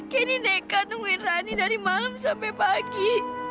kenny dekat nungguin rani dari malam sampai pagi